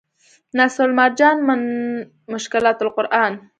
نصرالمرجان من مشکلات القرآن